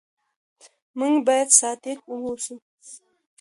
موږ بايد صادق اوسو.